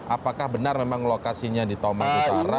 apakah benar memang lokasinya di tomang utara